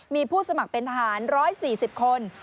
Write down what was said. มีผู้สมัครเป็นทหาร๑๔๐คน